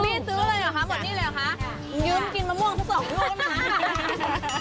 คุณพี่ซื้ออะไรเหรอค่ะหมดนี้เลยเหรอคะยึดกินมะม่วงทั้งสองรวบกันมา